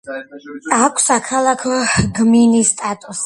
აქვს საქალაქო გმინის სტატუსი.